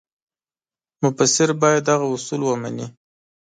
مفسر باید هغه اصول ومني.